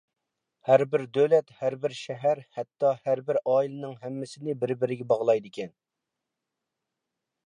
ھەربىر دۆلەت، ھەربىر شەھەر، ھەتتا ھەربىر ئائىلىنىڭ ھەممىسىنى بىر-بىرىگە باغلايدىكەن.